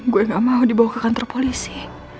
gue gak mau dibawa ke kantor polisi